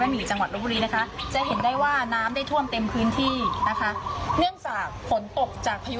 ดูสำรงอีกด้วยทำให้น้ำได้ท่วมเต็มพื้นที่อำเฮอร์แวนด์นี่นะคะ